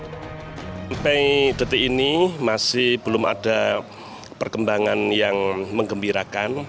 sampai detik ini masih belum ada perkembangan yang mengembirakan